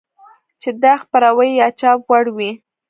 چې د خپراوي يا چاپ وړ وي.